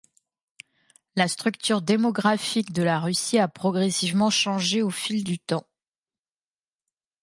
La structure démographique de la Russie a progressivement changé au fil du temps.